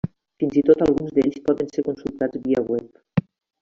Fins i tot, alguns d'ells poden ser consultats via web.